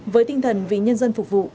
với tinh thần vì nhân dân phục vụ